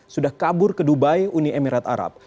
sudah kabur ke dubai uni emirat arab